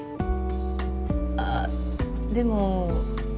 あっでも。